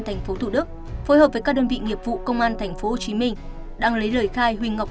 tp thủ đức phối hợp với các đơn vị nghiệp vụ công an tp hồ chí minh đang lấy lời khai huỳnh ngọc